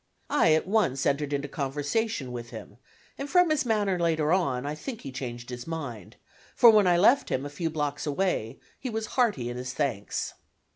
I at once entered into conversation with him, and from his manner later on I think he changed his mind, for when I left him a few blocks away he was hearty in his thanks.